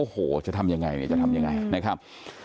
เห็นไหมเนี่ยโอ้โหจะทำยังไงเนี่ย